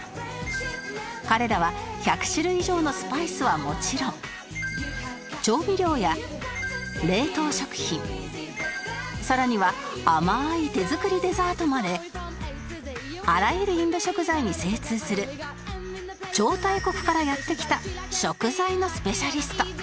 彼らは１００種類以上のスパイスはもちろん調味料や冷凍食品さらには甘い手作りデザートまであらゆるインド食材に精通する超大国からやって来た食材のスペシャリスト